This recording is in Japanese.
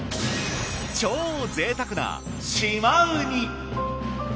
超ぜいたくな島ウニ。